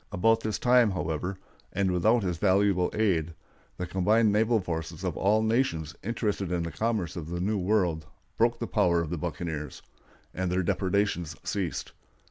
About this time, however, and without his valuable aid, the combined naval forces of all the nations interested in the commerce of the New World broke the power of the buccaneers, and their depredations ceased.